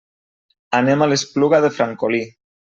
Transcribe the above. Anem a l'Espluga de Francolí.